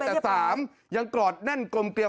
แต่๓ยังกอดแน่นกลมเกลีย